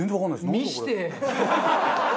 見せて！